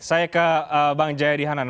saya ke bang jayadi hanan